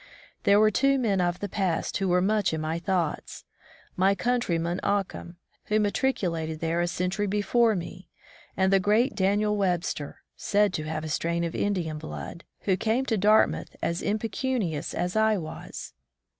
There were two men of the past who were much in my thoughts: my countryman Occum, who matriculated there a century before me, and the great Daniel Webster (said to have a strain of Indian blood), who came to Dartmouth as impecu nious as I was.